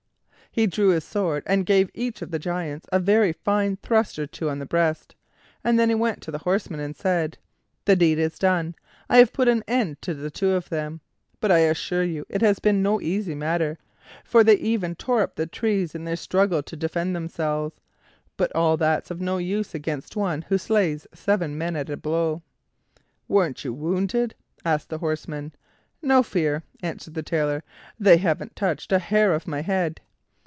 He drew his sword and gave each of the Giants a very fine thrust or two on the breast, and then went to the horsemen and said: "The deed is done; I've put an end to the two of them; but I assure you it has been no easy matter, for they even tore up trees in their struggle to defend themselves; but all that's of no use against one who slays seven men at a blow." "Weren't you wounded?" asked the horsemen. "No fear," answered the Tailor; "they haven't touched a hair of my head."